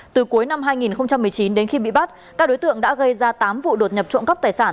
từ cuối năm hai nghìn một mươi chín đến khi bị bắt các đối tượng đã gây ra tám vụ đột nhập trộm cắp tài sản